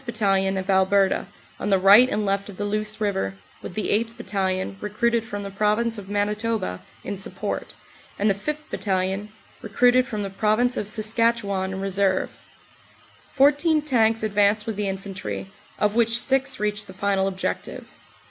Battalion, of Alberta, on the right and left of the Luce river, with the 8th. Battalion, recruited from the Prov ince of Manitoba, in support, and the 5th. Battalion, recruited from the Province of Saskatchewan, in reserve. Fourteen tanks advanced with the infantry, of which six reached the final objective.